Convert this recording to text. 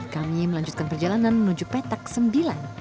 kami melanjutkan perjalanan menuju petak sembilan